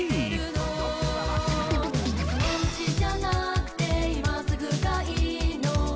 「そのうちじゃなくて今すぐがいいの」